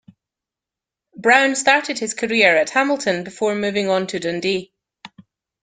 Brown started his career at Hamilton before moving on to Dundee.